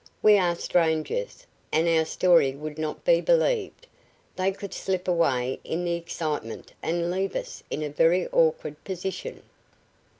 We are strangers, and our story would not be believed. They could slip away in the excitement and leave us in a very awkward position."